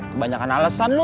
kebanyakan alasan lu